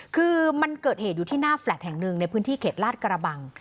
คือมันเกิดเหตุอยู่ที่หน้าแฟลต์แห่งหนึ่งในพื้นที่เขตลาดกระบัง